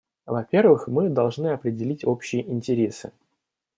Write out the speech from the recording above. Во-первых, мы должны определить общие интересы.